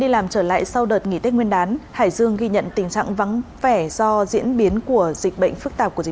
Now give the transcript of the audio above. làm thế nào để hạn chế tuyệt đối